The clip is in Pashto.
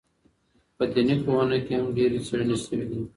په دیني پوهنو کي هم ډېرې څېړني سوي دي.